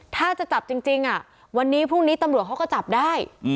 ถ้าจะจับจริงวันนี้พรุ่งนี้ตำรวจเขาก็จับได้